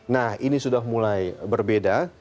nah ini sudah mulai berbeda